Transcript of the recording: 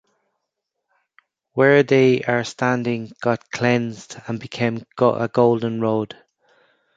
where they are standing got cleansed and became a golden road.